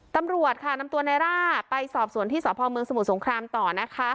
ตำรวจค่ะนำตัวในร่าไปสอบสวนที่สพเมืองสมุทรสงครามต่อนะคะ